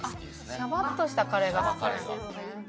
シャバっとしたカレーが好きなんですね。